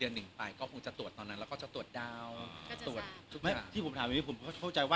อันนี้รู้จักว่าเป็นเพศหญิงหรือเพชาย